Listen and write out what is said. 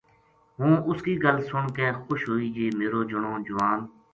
ہوں اس کی گل سن کے خوش ہوئی جے میرو جنو جوان